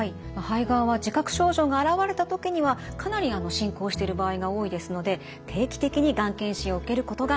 肺がんは自覚症状が現れた時にはかなり進行してる場合が多いですので定期的にがん検診を受けることが大切です。